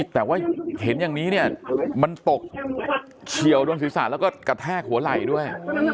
แต่ว่าเห็นอย่างนี้เนี่ยมันตกเฉียวโดนศีรษะแล้วก็กระแทกหัวไหล่ด้วย